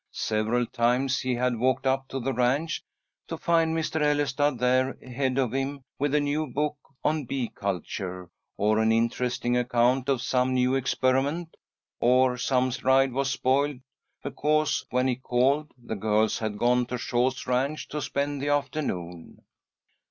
Several times he had walked up to the ranch to find Mr. Ellestad there ahead of him with a new book on bee culture, or an interesting account of some new experiment, or some ride was spoiled because, when he called, the girls had gone to Shaw's ranch to spend the afternoon.